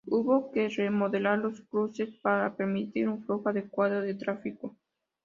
Hubo que remodelar los cruces para permitir un flujo adecuado de tráfico.